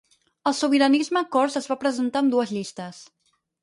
El sobiranisme cors es va presentar amb dues llistes.